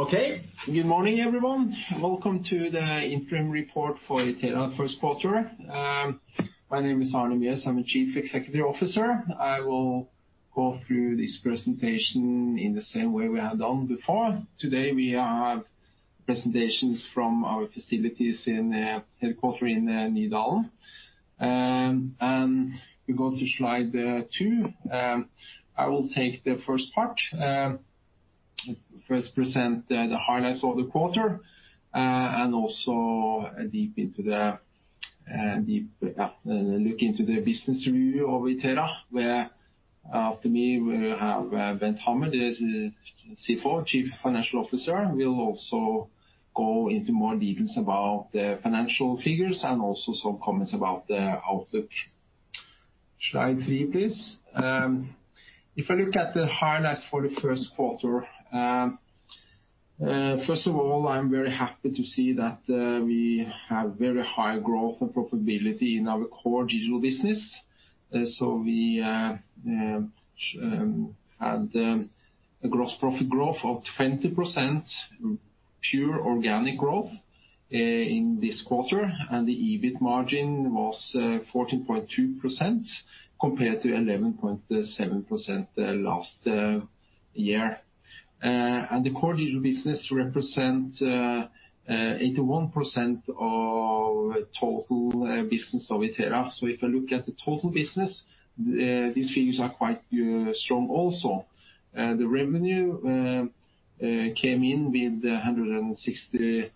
Okay. Good morning, everyone. Welcome to the interim report for Itera first quarter. My name is Arne Mjøs. I'm a Chief Executive Officer. I will go through this presentation in the same way we have done before. Today, we have presentations from our facilities in the headquarters in Nydalen, and we go to slide two. I will take the first part, first present the highlights of the quarter, and also a deep look into the business review of Itera. After me, we have Bent Hammer, the CFO, Chief Financial Officer. We'll also go into more details about the financial figures and also some comments about the outlook. Slide three, please. If I look at the highlights for the first quarter, first of all, I'm very happy to see that we have very high growth and profitability in our core digital business. We had a gross profit growth of 20%, pure organic growth in this quarter, and the EBIT margin was 14.2% compared to 11.7% last year. The core digital business represents 81% of total business of Itera. If I look at the total business, these figures are quite strong also. The revenue came in with 161.9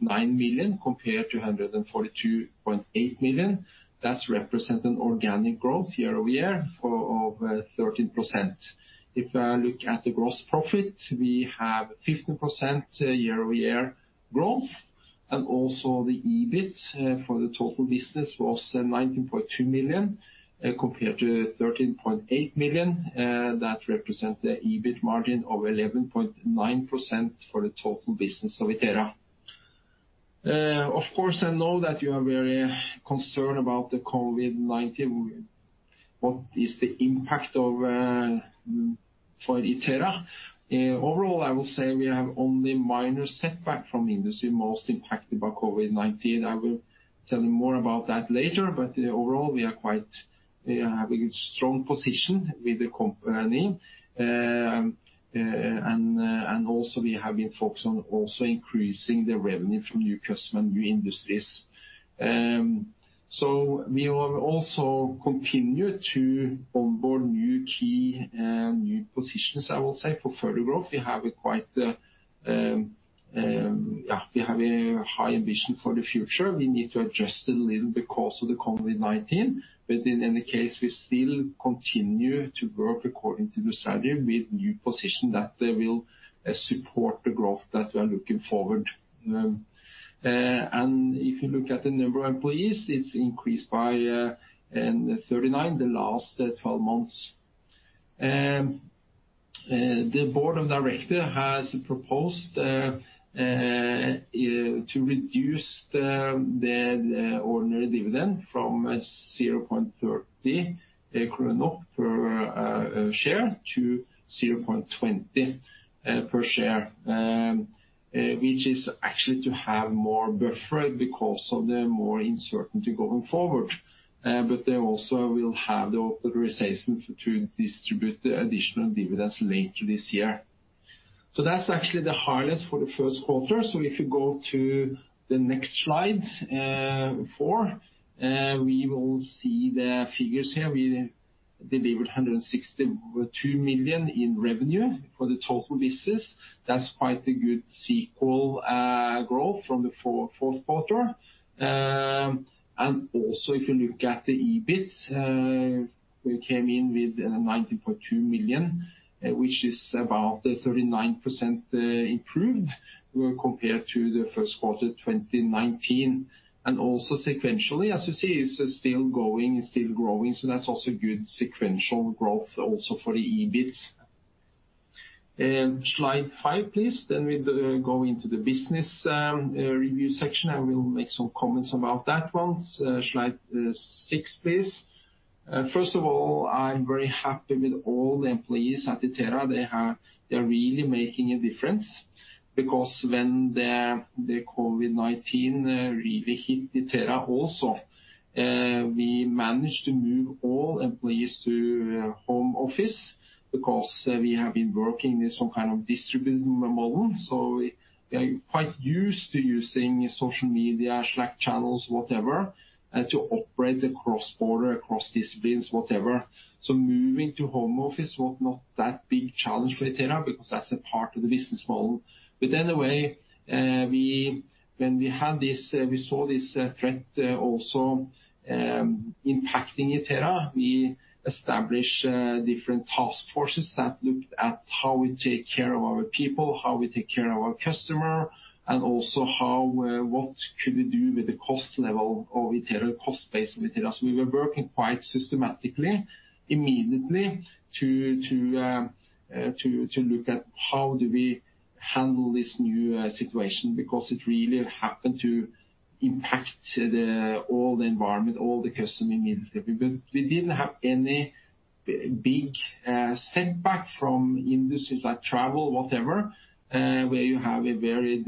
million compared to 142.8 million. That's representing organic growth year-over-year of 13%. If I look at the gross profit, we have 15% year-over-year growth. Also, the EBIT for the total business was 19.2 million compared to 13.8 million. That represents the EBIT margin of 11.9% for the total business of Itera. Of course, I know that you are very concerned about the COVID-19. What is the impact for Itera? Overall, I will say we have only minor setback from the industry most impacted by COVID-19. I will tell you more about that later, but overall, we have a strong position with the company. And also, we have been focused on also increasing the revenue from new customers, new industries. So we will also continue to onboard new key new positions, I will say, for further growth. We have a quite, yeah, we have a high ambition for the future. We need to adjust a little because of the COVID-19. But in any case, we still continue to work according to the strategy with new positions that will support the growth that we are looking forward to. And if you look at the number of employees, it's increased by 39 the last 12 months. The board of directors has proposed to reduce the ordinary dividend from 0.30 kroner per share to 0.20 per share, which is actually to have more buffer because of the more uncertainty going forward. But they also will have the authorization to distribute additional dividends later this year. So that's actually the highlights for the first quarter. So if you go to the next slide four, we will see the figures here. We delivered 162 million in revenue for the total business. That's quite a good sequential growth from the fourth quarter. And also, if you look at the EBIT, we came in with 19.2 million, which is about 39% improved compared to the first quarter 2019. And also, sequentially, as you see, it's still going and still growing. So that's also good sequential growth also for the EBIT. Slide five, please. Then we go into the business review section. I will make some comments about that one. Slide six, please. First of all, I'm very happy with all the employees at Itera. They are really making a difference because when the COVID-19 really hit Itera also, we managed to move all employees to home office because we have been working in some kind of distributed model. So we are quite used to using social media, Slack channels, whatever, to operate across borders, across disciplines, whatever. So moving to home office was not that big challenge for Itera because that's a part of the business model. But anyway, when we had this, we saw this threat also impacting Itera. We established different task forces that looked at how we take care of our people, how we take care of our customer, and also what could we do with the cost level of Itera, the cost base of Itera. So we were working quite systematically, immediately, to look at how do we handle this new situation because it really happened to impact all the environment, all the customers immediately. But we didn't have any big setback from industries like travel, whatever, where you have a very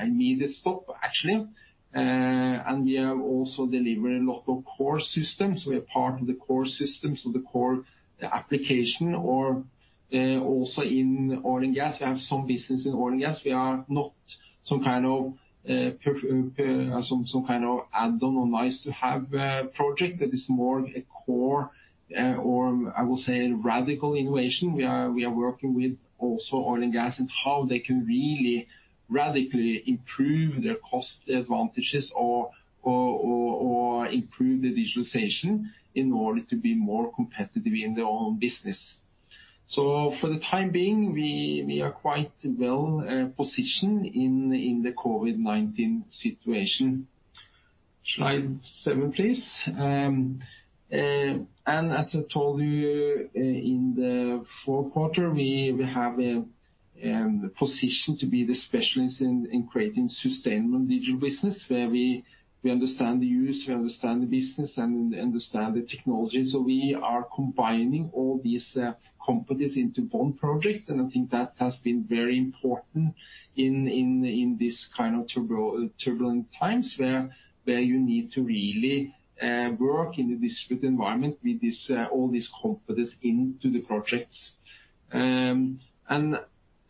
immediate stop, actually. And we have also delivered a lot of core systems. We are part of the core systems, so the core application, or also in oil and gas. We have some business in oil and gas. We are not some kind of add-on or nice-to-have project, but it's more a core or, I will say, radical innovation. We are working with also oil and gas and how they can really radically improve their cost advantages or improve the digitalization in order to be more competitive in their own business. So for the time being, we are quite well positioned in the COVID-19 situation. Slide seven, please. And as I told you, in the fourth quarter, we have a position to be the specialist in creating sustainable digital business, where we understand the use, we understand the business, and understand the technology. So we are combining all these companies into one project. And I think that has been very important in this kind of turbulent times where you need to really work in the distributed environment with all these companies into the projects. And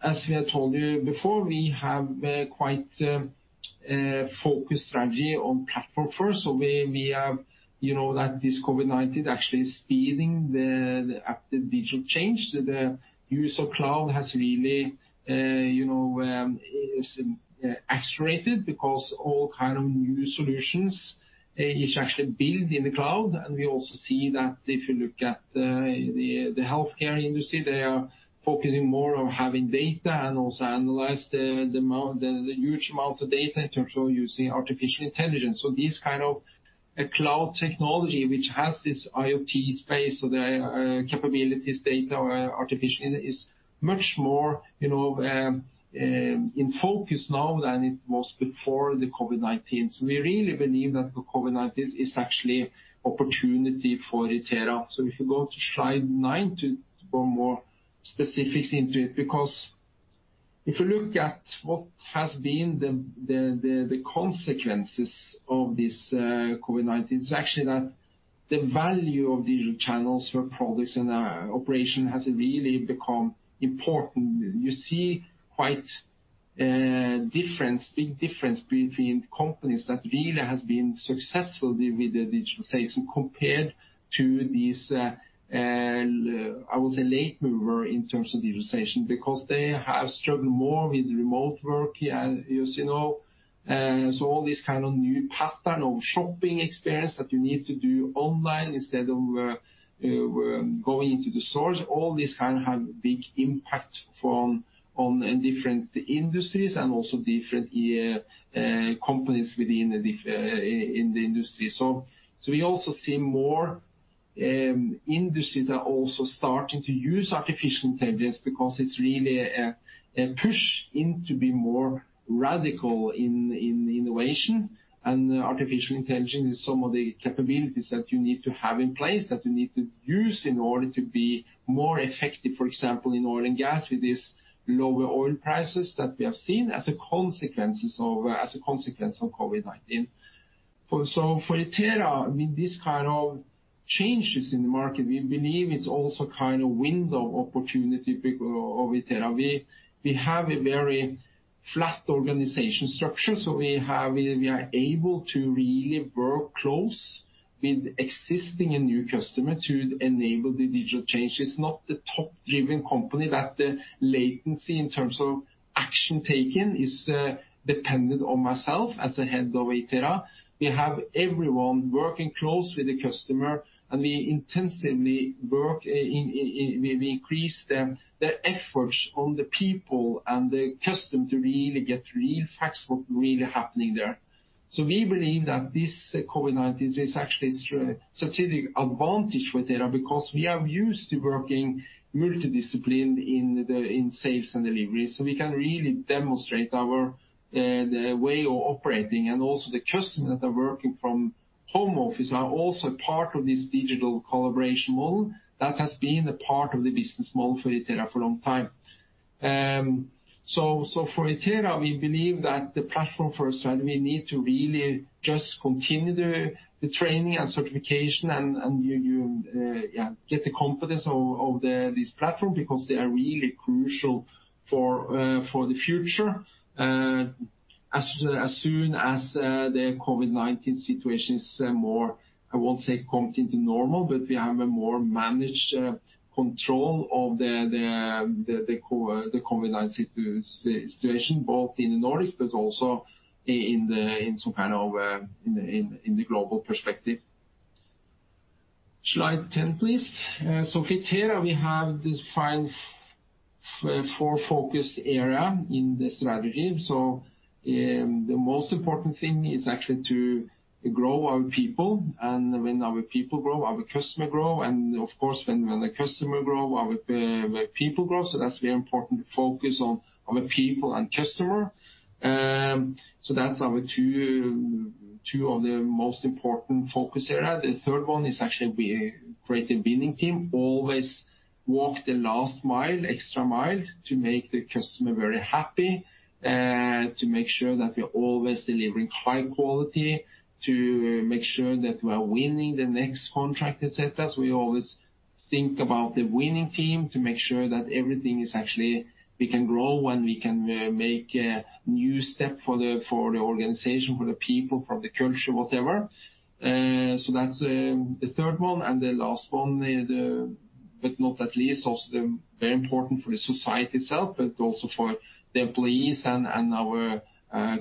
as we had told you before, we have quite a focused strategy on platform first. So we have that this COVID-19 actually is speeding the digital change. The use of cloud has really accelerated because all kinds of new solutions are actually built in the cloud. And we also see that if you look at the healthcare industry, they are focusing more on having data and also analyzing the huge amount of data in terms of using artificial intelligence. So these kinds of cloud technology, which has this IoT space, so the capabilities, data, artificial intelligence is much more in focus now than it was before the COVID-19. So we really believe that the COVID-19 is actually an opportunity for Itera. So if you go to slide nine to go more specifics into it, because if you look at what has been the consequences of this COVID-19, it's actually that the value of digital channels for products and operation has really become important. You see quite a big difference between companies that really have been successful with the digitalization compared to these, I would say, late mover in terms of digitalization because they have struggled more with remote work, as you know, so all these kinds of new paths of shopping experience that you need to do online instead of going into the stores, all these kinds have a big impact on different industries and also different companies within the industry, so we also see more industries that are also starting to use artificial intelligence because it's really a push to be more radical in innovation, and artificial intelligence is some of the capabilities that you need to have in place that you need to use in order to be more effective, for example, in oil and gas with these lower oil prices that we have seen as a consequence of COVID-19. For Itera, with these kinds of changes in the market, we believe it's also kind of a window of opportunity for Itera. We have a very flat organization structure, so we are able to really work close with existing and new customers to enable the digital change. It's not the top-driven company that the latency in terms of action taken is dependent on myself as the head of Itera. We have everyone working close with the customer, and we intensively work. We increase the efforts on the people and the customer to really get real facts of what's really happening there. We believe that this COVID-19 is actually a strategic advantage for Itera because we are used to working multidisciplinary in sales and delivery. We can really demonstrate our way of operating. And also the customers that are working from home office are also part of this digital collaboration model that has been a part of the business model for Itera for a long time. So for Itera, we believe that the platform first strategy we need to really just continue the training and certification and get the competence of this platform because they are really crucial for the future. As soon as the COVID-19 situation is more, I won't say coming into normal, but we have a more managed control of the COVID-19 situation, both in the Nordics, but also in some kind of in the global perspective. Slide 10, please. So for Itera, we have this five-four focus area in the strategy. So the most important thing is actually to grow our people, and when our people grow, our customers grow. Of course, when the customers grow, our people grow. So that's very important to focus on our people and customers. So that's two of our most important focus areas. The third one is actually creating a winning team, always go the extra mile, to make the customer very happy, to make sure that we're always delivering high quality, to make sure that we are winning the next contract, etc. So we always think about the winning team to make sure that everything is actually we can grow when we can make a new step for the organization, for the people, for the culture, whatever. So that's the third one. The last one, but not least, also very important for the society itself, but also for the employees and our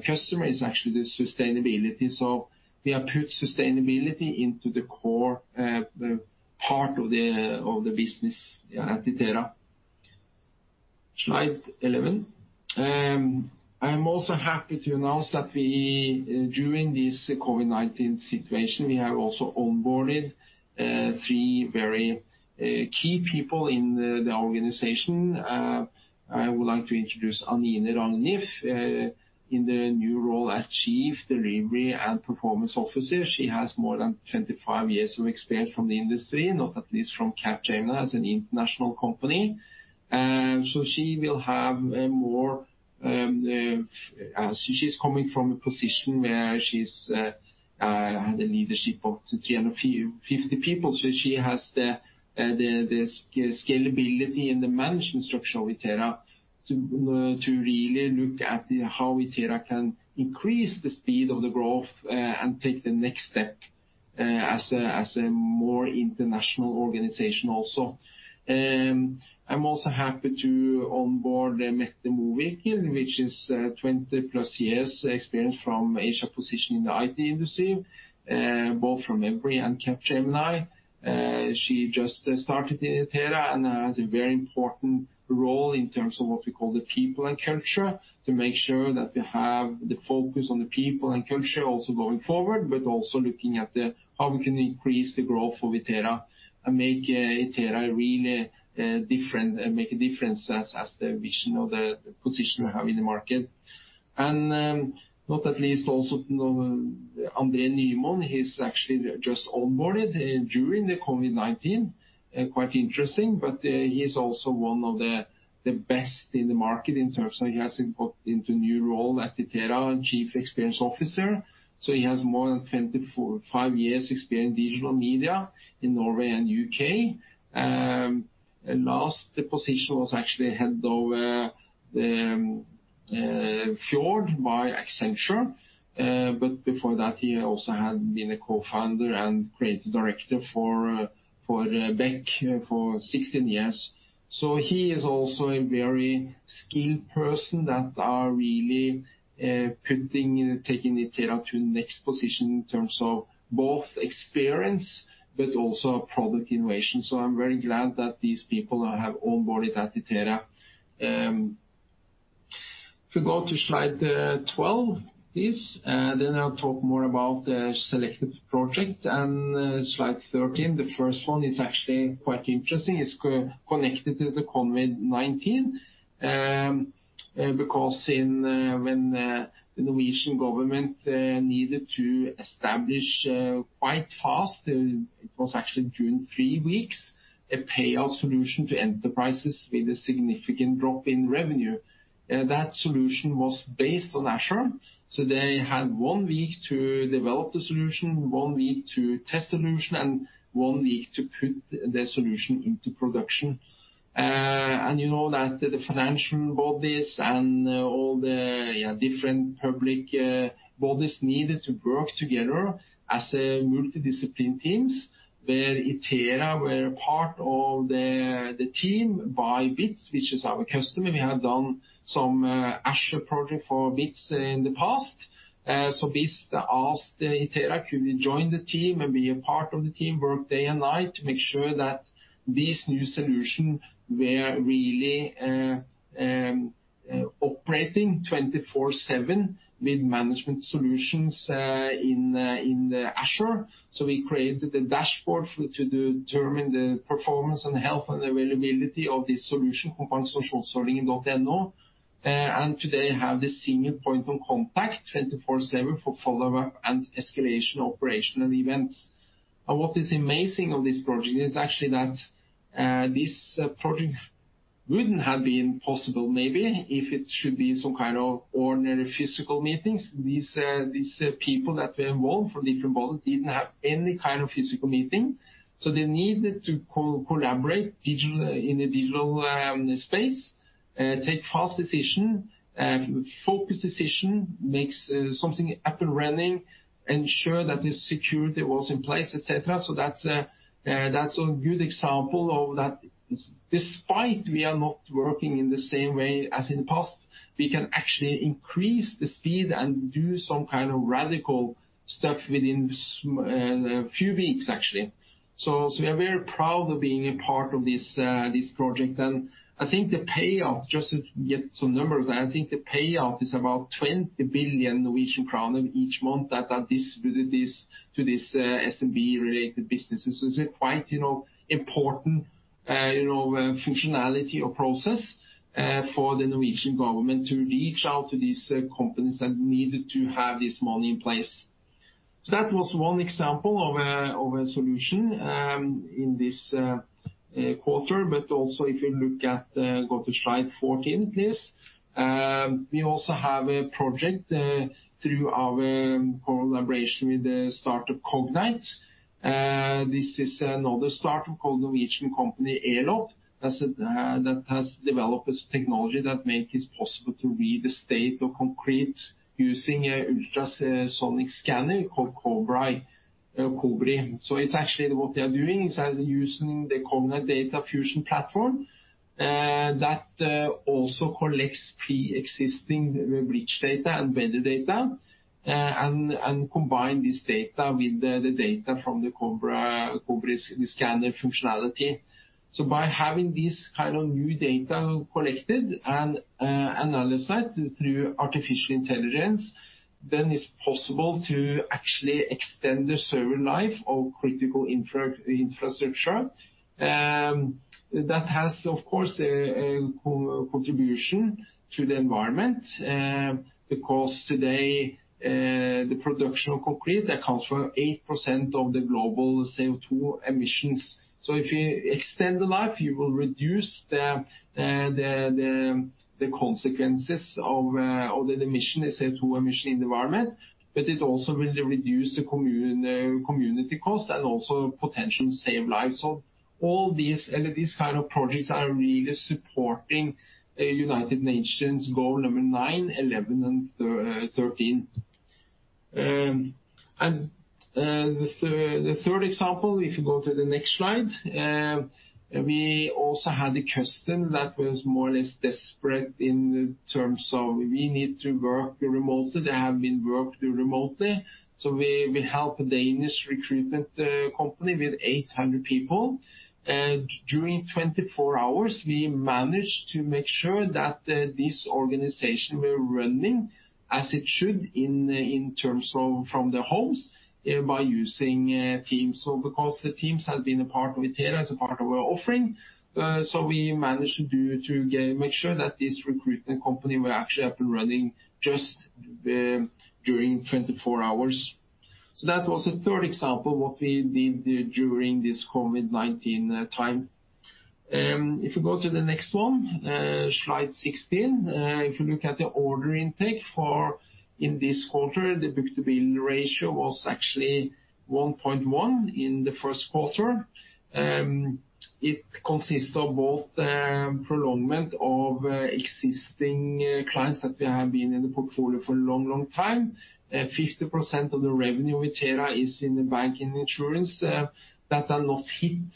customers, is actually the sustainability. So we have put sustainability into the core part of the business at Itera. Slide 11. I'm also happy to announce that during this COVID-19 situation, we have also onboarded three very key people in the organization. I would like to introduce Anine Ragnif in the new role at Chief Delivery and Performance Officer. She has more than 25 years of experience from the industry, not at least from Capgemini as an international company. So she will have more as she's coming from a position where she's had a leadership of 350 people. So she has the scalability and the management structure of Itera to really look at how Itera can increase the speed of the growth and take the next step as a more international organization also. I'm also happy to onboard Mette Mowinckel, which is 20-plus years' experience from Asia position in the IT industry, both from Embron and Capgemini. She just started in Itera and has a very important role in terms of what we call the people and culture to make sure that we have the focus on the people and culture also going forward, but also looking at how we can increase the growth of Itera and make Itera really different and make a difference as the vision of the position we have in the market. And not least also André Nyman, he's actually just onboarded during the COVID-19. Quite interesting, but he's also one of the best in the market in terms of he has got into a new role at Itera, Chief Experience Officer. So he has more than 25 years' experience in digital media in Norway and the UK. Last position was actually head of Fjord by Accenture, but before that, he also had been a co-founder and creative director for Bekk for 16 years, so he is also a very skilled person that is really taking Itera to the next position in terms of both experience, but also product innovation, so I'm very glad that these people have onboarded at Itera. If we go to slide 12, please, then I'll talk more about the selected project, and slide 13, the first one is actually quite interesting. It's connected to the COVID-19 because when the Norwegian Government needed to establish quite fast, it was actually during three weeks, a payout solution to enterprises with a significant drop in revenue. That solution was based on Azure, so they had one week to develop the solution, one week to test the solution, and one week to put the solution into production. And you know that the financial bodies and all the different public bodies needed to work together as multidisciplinary teams where Itera were a part of the team by Bits, which is our customer. We had done some Azure projects for Bits in the past. So Bits asked Itera could we join the team and be a part of the team, work day and night to make sure that these new solutions were really operating 24/7 with management solutions in Azure. So we created a dashboard to determine the performance and health and availability of this solution companies on Kompensasjonsordningen.no. And today have the single point of contact 24/7 for follow-up and escalation operational events. And what is amazing of this project is actually that this project wouldn't have been possible maybe if it should be some kind of ordinary physical meetings. These people that were involved from different bodies didn't have any kind of physical meeting. So they needed to collaborate in the digital space, take fast decisions, focus decisions, make something up and running, ensure that the security was in place, etc. So that's a good example of that despite we are not working in the same way as in the past, we can actually increase the speed and do some kind of radical stuff within a few weeks, actually. So we are very proud of being a part of this project. And I think the payout, just to get some numbers, I think the payout is about 20 billion Norwegian crown each month that are distributed to these SMB-related businesses. So it's quite important functionality or process for the Norwegian Government to reach out to these companies that needed to have this money in place. So that was one example of a solution in this quarter, but also if you look, go to slide 14, please. We also have a project through our collaboration with the startup Cognite. This is another startup called Norwegian company Elop that has developed technology that makes it possible to read the state of concrete using ultrasonic scanning called Cobri. So it's actually what they are doing is using the Cognite Data Fusion platform that also collects pre-existing legacy data and sensor data and combines this data with the data from the Cobri scanner functionality. So by having this kind of new data collected and analyzed through artificial intelligence, then it's possible to actually extend the service life of critical infrastructure. That has, of course, a contribution to the environment because today the production of concrete accounts for 8% of the global CO2 emissions. So if you extend the life, you will reduce the consequences of the CO2 emission in the environment, but it also will reduce the community cost and also potentially save lives. So all these kinds of projects are really supporting United Nations goal number nine, 11, and 13. And the third example, if you go to the next slide, we also had a customer that was more or less desperate in terms of we need to work remotely. They have been working remotely. So we helped a Danish recruitment company with 800 people. During 24 hours, we managed to make sure that this organization was running as it should in terms of from the homes by using Teams. Because Teams has been a part of Itera as a part of our offering, we managed to make sure that this recruitment company will actually have been running just during 24 hours. That was the third example of what we did during this COVID-19 time. If we go to the next one, slide 16. If you look at the order intake in this quarter, the book-to-bill ratio was actually 1.1 in the first quarter. It consists of both prolongment of existing clients that we have been in the portfolio for a long, long time. 50% of the revenue of Itera is in the bank and insurance that are not hit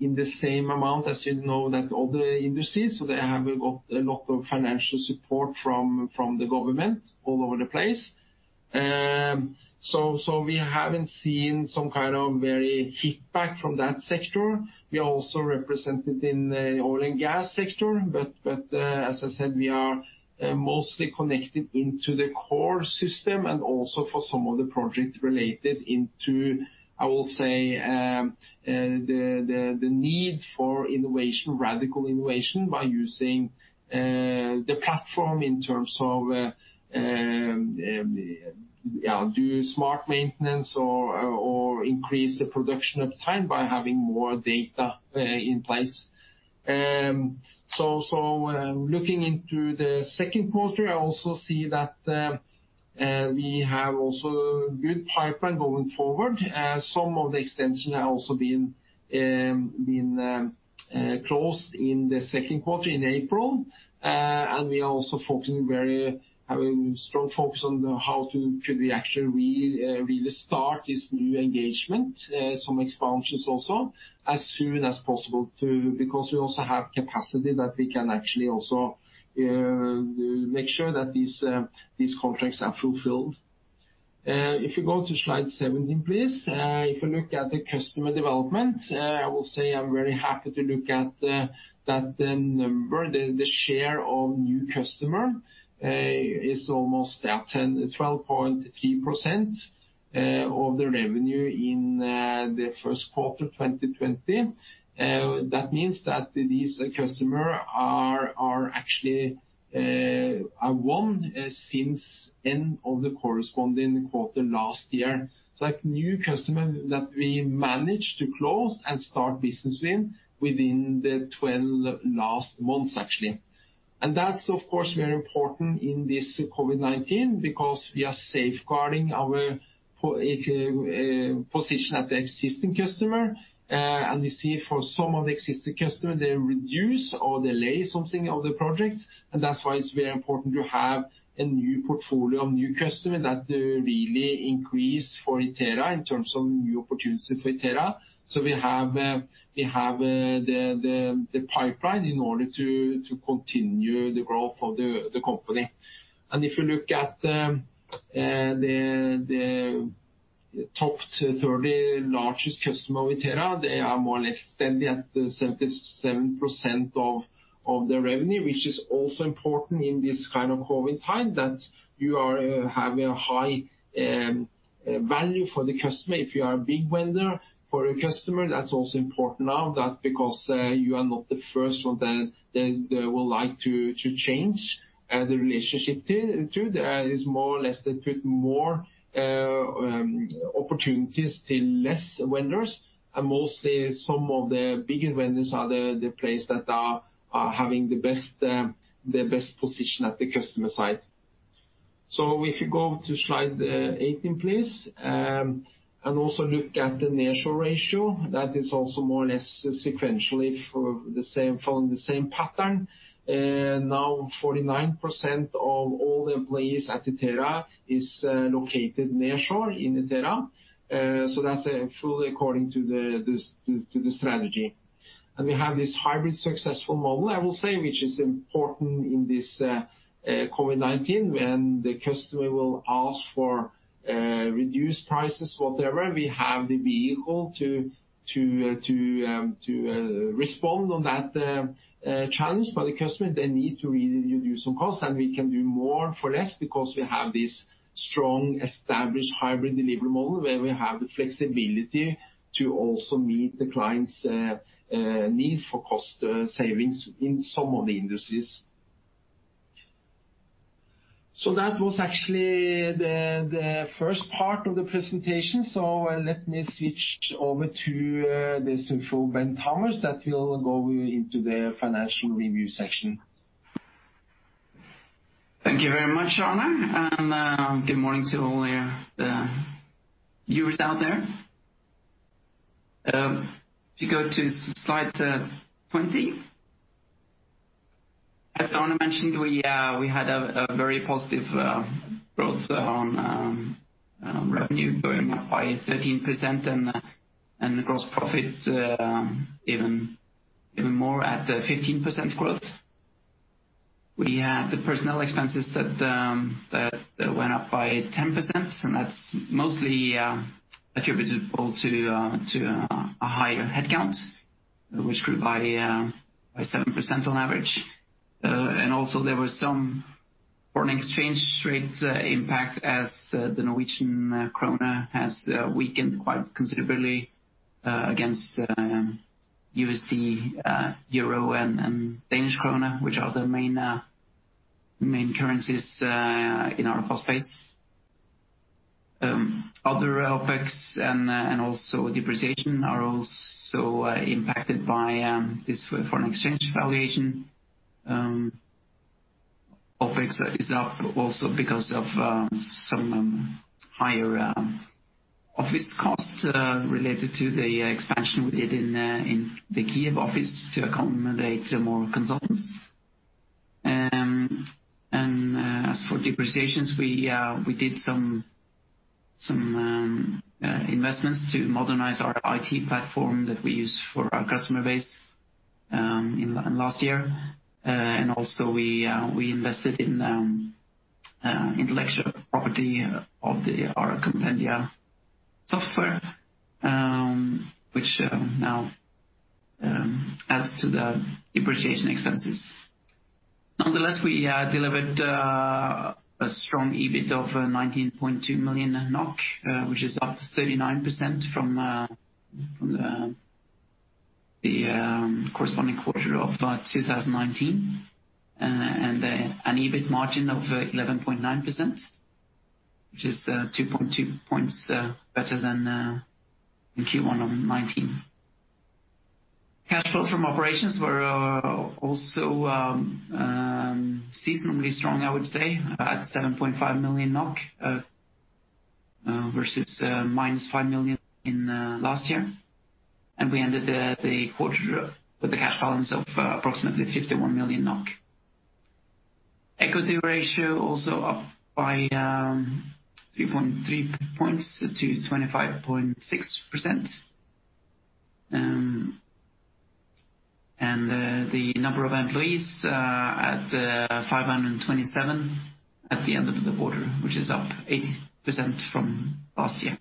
in the same amount as you know that other industries. They have got a lot of financial support from the government all over the place. We haven't seen some kind of very hit back from that sector. We are also represented in the oil and gas sector, but as I said, we are mostly connected into the core system and also for some of the projects related into, I will say, the need for innovation, radical innovation by using the platform in terms of doing smart maintenance or increase the production of time by having more data in place. Looking into the second quarter, I also see that we have also a good pipeline going forward. Some of the extensions have also been closed in the second quarter in April. We are also focusing very strong focus on how to actually really start this new engagement, some expansions also as soon as possible because we also have capacity that we can actually also make sure that these contracts are fulfilled. If we go to slide 17, please, if you look at the customer development, I will say I'm very happy to look at that number. The share of new customers is almost 12.3% of the revenue in the first quarter 2020. That means that these customers are actually won since the end of the corresponding quarter last year, so new customers that we managed to close and start business within the 12 last months, actually, and that's, of course, very important in this COVID-19 because we are safeguarding our position at the existing customer, and you see for some of the existing customers, they reduce or delay something of the projects, and that's why it's very important to have a new portfolio of new customers that really increase for Itera in terms of new opportunities for Itera. We have the pipeline in order to continue the growth of the company. And if you look at the top 30 largest customers of Itera, they are more or less 77% of the revenue, which is also important in this kind of COVID time that you have a high value for the customer. If you are a big vendor for a customer, that's also important now because you are not the first one that will like to change the relationship to. There is more or less they put more opportunities to less vendors. And mostly some of the biggest vendors are the places that are having the best position at the customer side. So if you go to slide 18, please, and also look at the nearshore ratio, that is also more or less sequentially following the same pattern. Now, 49% of all the employees at Itera is located nearshore in Itera, so that's fully according to the strategy, and we have this hybrid successful model, I will say, which is important in this COVID-19 when the customer will ask for reduced prices, whatever. We have the vehicle to respond on that challenge by the customer. They need to really reduce some costs, and we can do more for less because we have this strong established hybrid delivery model where we have the flexibility to also meet the client's needs for cost savings in some of the industries, so that was actually the first part of the presentation, so let me switch over to our CFO Bent Hammer that will go into the financial review section. Thank you very much, Arne. Good morning to all the viewers out there. If you go to slide 20, as Arne mentioned, we had a very positive growth on revenue going up by 13% and gross profit even more at 15% growth. We had the personnel expenses that went up by 10%, and that's mostly attributable to a higher headcount, which grew by 7% on average. And also, there were some foreign exchange rate impacts as the Norwegian krone has weakened quite considerably against USD, euro, and Danish krone, which are the main currencies in our cost base. Other OpEx and also depreciation are also impacted by this foreign exchange valuation. OpEx is up also because of some higher office costs related to the expansion we did in the Kyiv office to accommodate more consultants. And as for depreciation, we did some investments to modernize our IT platform that we use for our customer base last year. And also, we invested in the intellectual property of our Compendia software, which now adds to the depreciation expenses. Nonetheless, we delivered a strong EBIT of 19.2 million NOK, which is up 39% from the corresponding quarter of 2019, and an EBIT margin of 11.9%, which is 2.2 points better than Q1 of 2019. Cash flow from operations were also seasonally strong, I would say, at 7.5 million NOK versus minus 5 million last year. And we ended the quarter with a cash balance of approximately 51 million NOK. Equity ratio also up by 3.3 points to 25.6%. And the number of employees at 527 at the end of the quarter, which is up 80% from last year.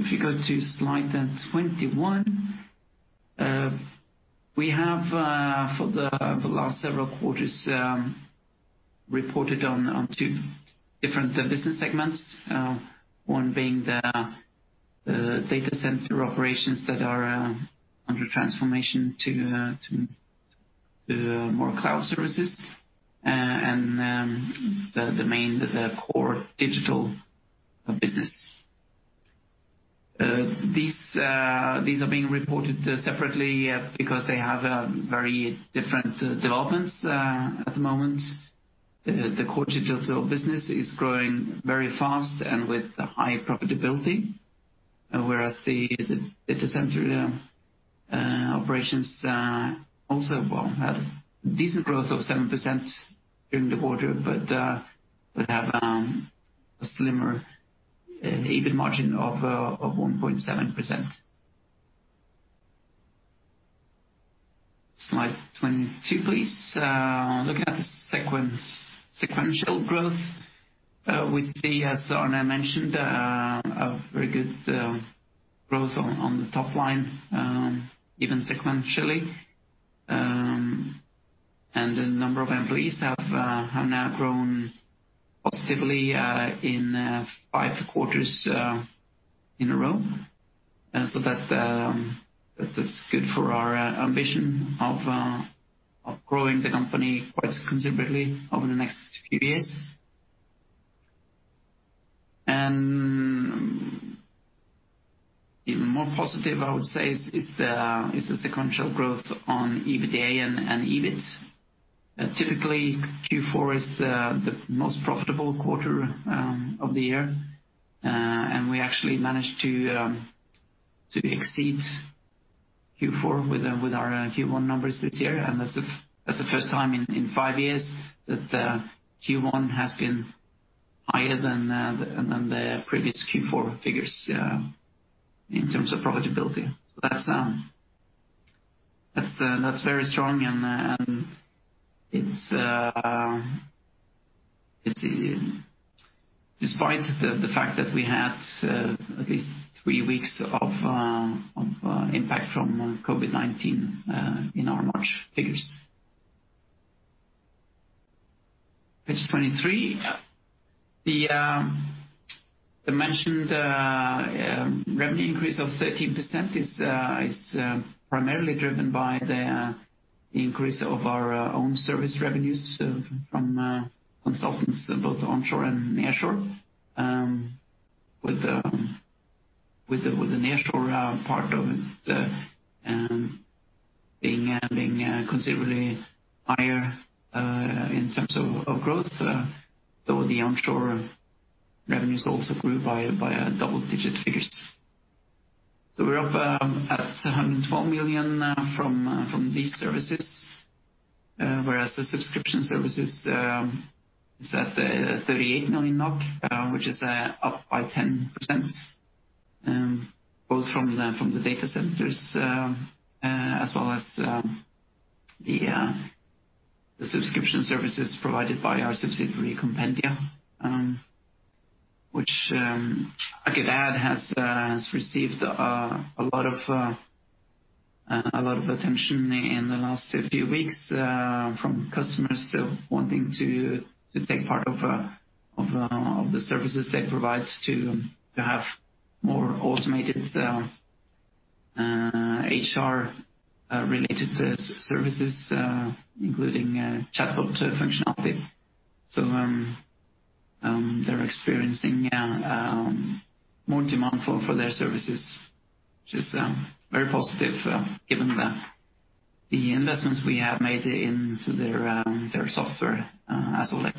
So if you go to slide 21, we have for the last several quarters reported on two different business segments, one being the data center operations that are under transformation to more cloud services and the main core digital business. These are being reported separately because they have very different developments at the moment. The core digital business is growing very fast and with high profitability, whereas the data center operations also had a decent growth of 7% during the quarter, but have a slimmer EBIT margin of 1.7%. Slide 22, please. Looking at the sequential growth, we see, as Arne mentioned, a very good growth on the top line, even sequentially. And the number of employees have now grown positively in five quarters in a row. So that's good for our ambition of growing the company quite considerably over the next few years. Even more positive, I would say, is the sequential growth on EBITDA and EBIT. Typically, Q4 is the most profitable quarter of the year. We actually managed to exceed Q4 with our Q1 numbers this year. That's the first time in five years that Q1 has been higher than the previous Q4 figures in terms of profitability. That's very strong. Despite the fact that we had at least three weeks of impact from COVID-19 in our March figures. Page 23, the mentioned revenue increase of 13% is primarily driven by the increase of our own service revenues from consultants, both onshore and nearshore, with the nearshore part of it being considerably higher in terms of growth, though the onshore revenues also grew by double-digit figures. We're up at 112 million from these services, whereas the subscription services is at 38 million NOK, which is up by 10%, both from the data centers as well as the subscription services provided by our subsidiary, Compendia, which, I could add, has received a lot of attention in the last few weeks from customers wanting to take part of the services they provide to have more automated HR-related services, including chatbot functionality. So they're experiencing more demand for their services, which is very positive given the investments we have made into their software as of late.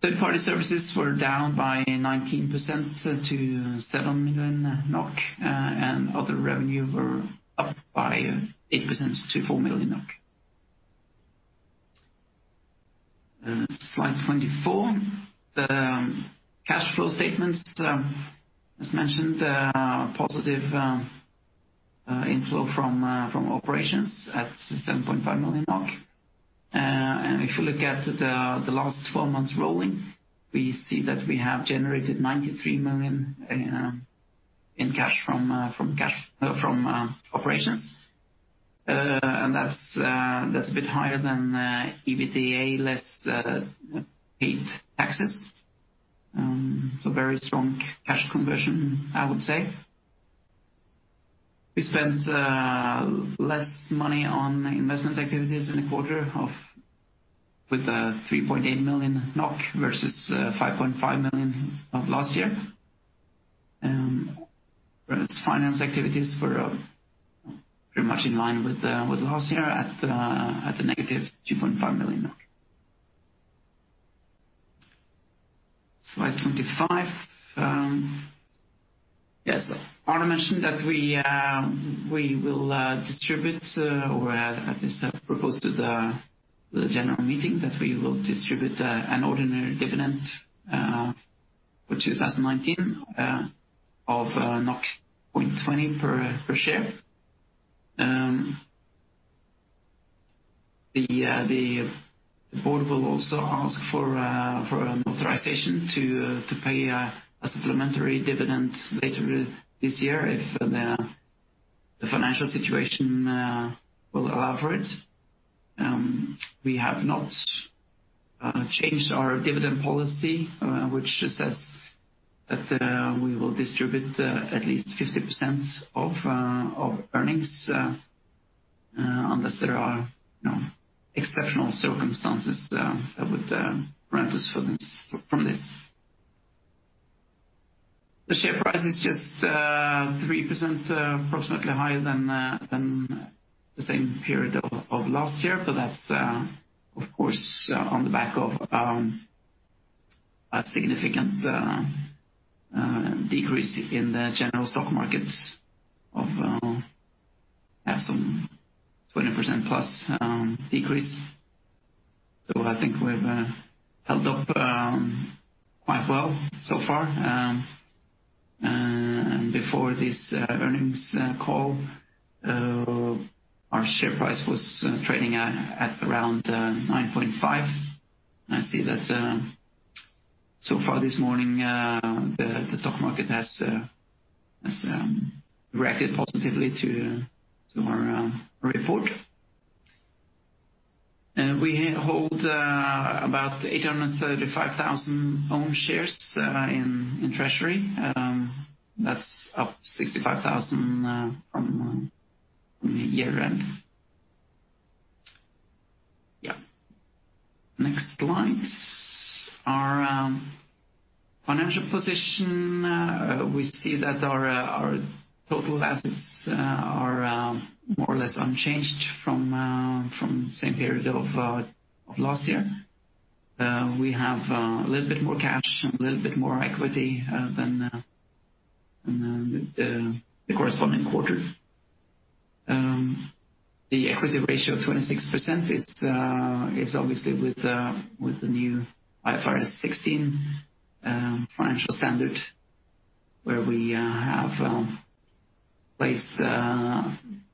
Third-party services were down by 19% to 7 million NOK, and other revenues were up by 8% to 4 million NOK. Slide 24, the cash flow statements, as mentioned, positive inflow from operations at 7.5 million. If you look at the last 12 months rolling, we see that we have generated 93 millionin cash from operations. That's a bit higher than EBITDA less paid taxes. Very strong cash conversion, I would say. We spent less money on investment activities in the quarter with 3.8 million NOK versus 5.5 million of last year. Finance activities were pretty much in line with last year at a negative 2.5 million. Slide 25, yes, Arne mentioned that we will distribute or at least propose to the general meeting that we will distribute an ordinary dividend for 2019 of 0.20 per share. The board will also ask for an authorization to pay a supplementary dividend later this year if the financial situation will allow for it. We have not changed our dividend policy, which says that we will distribute at least 50% of earnings unless there are exceptional circumstances that would exempt us from this. The share price is just 3% approximately higher than the same period of last year, but that's, of course, on the back of a significant decrease in the general stock markets of some 20% plus decrease. So I think we've held up quite well so far and before this earnings call, our share price was trading at around 9.5. I see that so far this morning, the stock market has reacted positively to our report. We hold about 835,000 own shares in treasury. That's up 65,000 from year-end. Yeah. Next slide. Our financial position. We see that our total assets are more or less unchanged from the same period of last year. We have a little bit more cash and a little bit more equity than the corresponding quarter. The equity ratio of 26% is obviously with the new IFRS 16 financial standard, where we have placed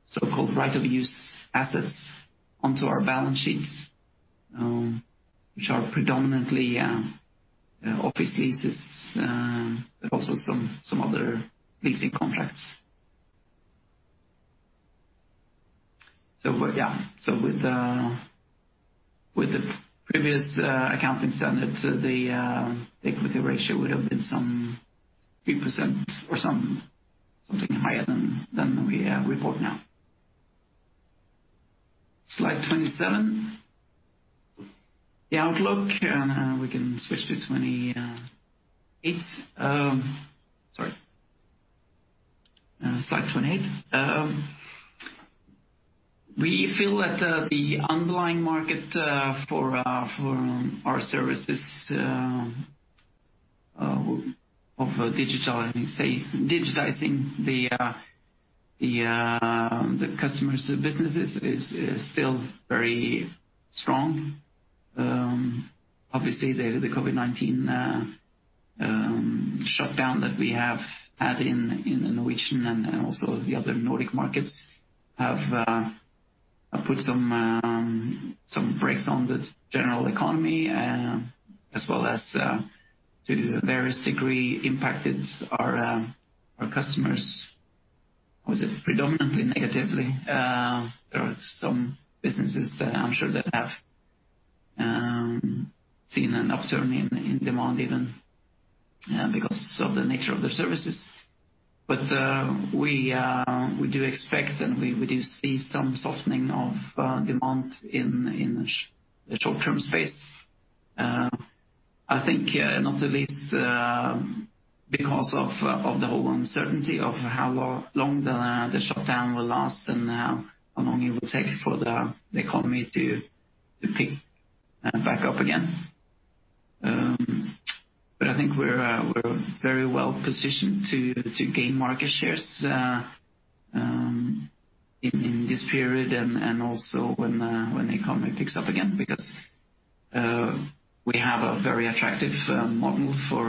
so-called right-of-use assets onto our balance sheets, which are predominantly office leases, but also some other leasing contracts. So yeah, so with the previous accounting standard, the equity ratio would have been some 3% or something higher than we report now. Slide 27, the outlook, and we can switch to 28. Sorry. Slide 28. We feel that the underlying market for our services of digitizing the customers' businesses is still very strong. Obviously, the COVID-19 shutdown that we have had in the Norwegian and also the other Nordic markets have put some brakes on the general economy, as well as to various degrees impacted our customers. Was it predominantly negatively? There are some businesses that I'm sure that have seen an upturn in demand even because of the nature of their services. But we do expect and we do see some softening of demand in the short-term space. I think, not the least, because of the whole uncertainty of how long the shutdown will last and how long it will take for the economy to pick back up again. But I think we're very well positioned to gain market shares in this period and also when the economy picks up again because we have a very attractive model for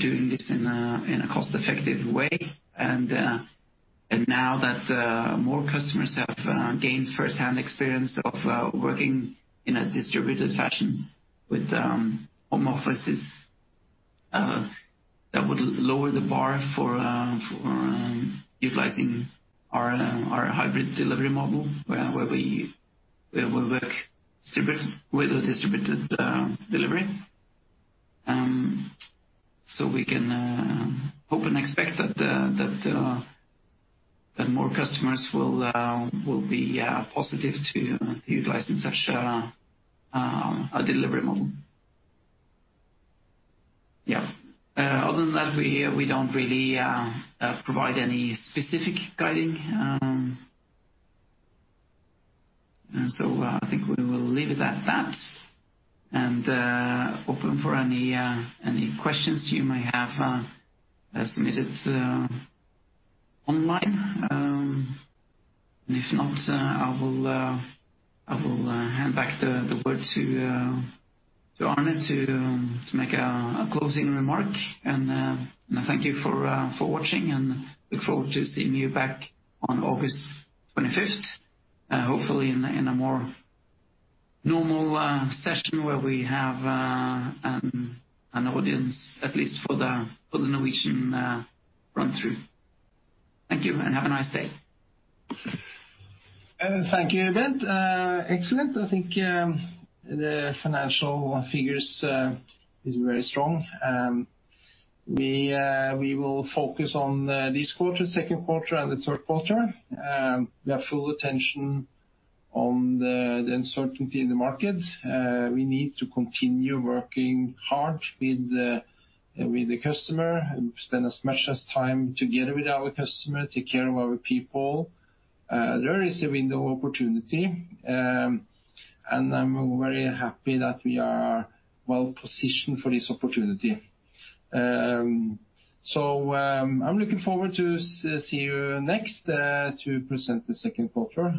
doing this in a cost-effective way. And now that more customers have gained firsthand experience of working in a distributed fashion with home offices, that would lower the bar for utilizing our hybrid delivery model where we work with a distributed delivery. So we can hope and expect that more customers will be positive to utilizing such a delivery model. Yeah. Other than that, we don't really provide any specific guidance. So I think we will leave it at that and open for any questions you may have submitted online. And if not, I will hand back the word to Arne to make a closing remark. And thank you for watching and look forward to seeing you back on August 25th, hopefully in a more normal session where we have an audience, at least for the Norwegian run-through. Thank you and have a nice day. Thank you, Bent. Excellent. I think the financial figures are very strong. We will focus on this quarter, second quarter, and the third quarter. We have full attention on the uncertainty in the market. We need to continue working hard with the customer, spend as much time together with our customers, take care of our people. There is a window of opportunity, and I'm very happy that we are well positioned for this opportunity. So I'm looking forward to seeing you next to present the second quarter.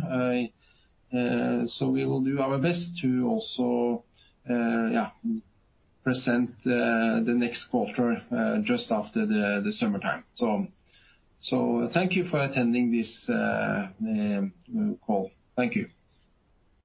So we will do our best to also present the next quarter just after the summertime. So thank you for attending this call. Thank you.